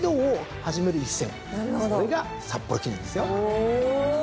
それが札幌記念ですよ。